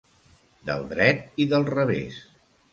Del dret i del revés.